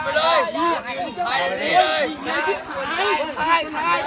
พ่อหนูเป็นใคร